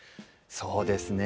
そうですね。